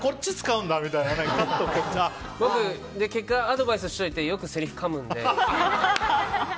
僕、結果アドバイスしておいて結構せりふをよくかむので。